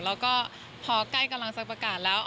แล้วก็พอใกล้กำลังจะประกาศแล้ว